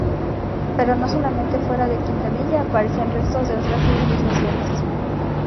Pero no solamente fuera de Quintanilla aparecen restos de otras civilizaciones.